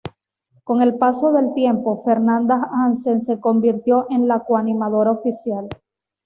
Con el paso del tiempo, Fernanda Hansen se convirtió en la co-animadora oficial.